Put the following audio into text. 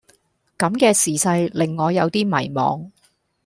咁嘅時勢令我有啲迷惘